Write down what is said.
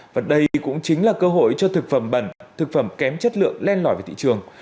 và đây cũng chính là cơ hội cho thực phẩm bẩn thực phẩm kém chất lượng len lỏi về thị trường